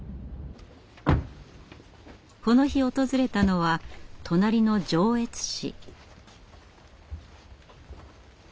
この日訪れたのは隣の上越市。